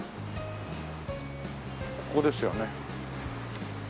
ここですよね。